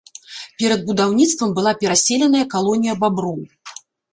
Перад будаўніцтвам была пераселеная калонія баброў.